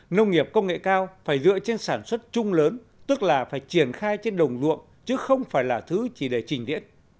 nông nghiệp công nghệ cao phải dựa trên sản xuất trung lớn tức là phải triển khai trên đồng luận chứ không phải là thứ chỉ để trình điện